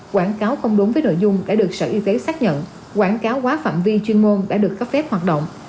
quảng cáo không đúng với nội dung đã được sở y tế xác nhận quảng cáo quá phạm vi chuyên môn đã được cấp phép hoạt động